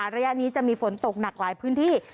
ระยะนี้จะมีฝนตกหนักหลายพื้นที่